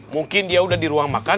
mungkin dia udah di ruang makan